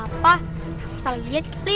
raffa salah liat kali